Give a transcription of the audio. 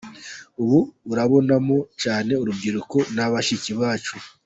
Ubu urabonamo cyane urubyiruko na bashiki bacu.